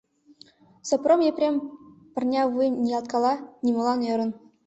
Сопром Епрем пырня вуйым ниялткала, нимолан ӧрын.